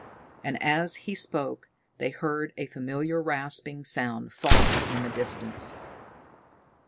And, as he spoke, they heard a familiar rasping sound far in the distance.